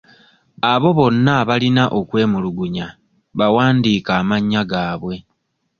Abo bonna abalina okwemulugunya bawandiike amannya gaabwe.